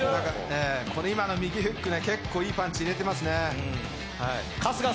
今の右フック、結構いいパンチ入れてますね。